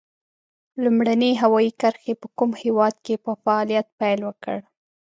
لومړنۍ هوایي کرښې په کوم هېواد کې په فعالیت پیل وکړ؟